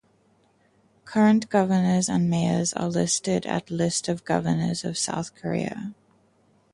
Current governors and mayors are listed at List of governors of South Korea.